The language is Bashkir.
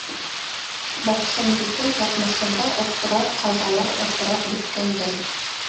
Барсынбикә яҙмышында осрар ҡазалар осрап бөткәндәй.